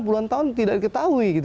puluhan tahun tidak diketahui